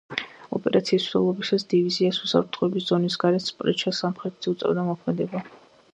ოპერაციის მსვლელობისას დივიზიას უსაფრთხოების ზონის გარეთ, სპრეჩას სამხრეთით უწევდა მოქმედება.